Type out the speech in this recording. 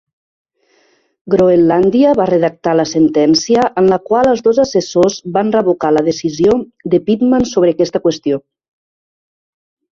Groenlàndia va redactar la sentència en la qual els dos assessors van revocar la decisió de Pitman sobre aquesta qüestió.